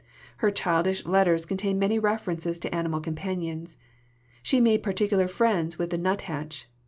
Her childish letters contain many references to animal companions. She made particular friends with the nuthatch.